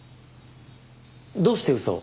どうして嘘を？